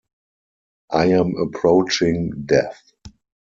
I am approaching death.